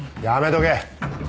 やめとけ。